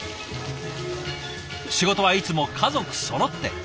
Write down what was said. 仕事はいつも家族そろって。